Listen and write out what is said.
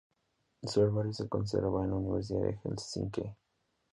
Su herbario se conserva en la Universidad de Helsinki